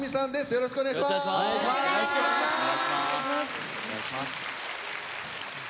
よろしくお願いします。